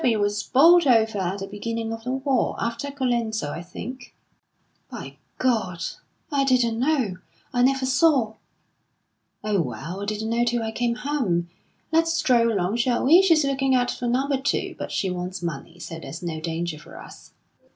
P. W. was bowled over at the beginning of the war after Colenso, I think." "By God! I didn't know. I never saw!" "Oh, well, I didn't know till I came home.... Let's stroll along, shall we? She's looking out for number two; but she wants money, so there's no danger for us!"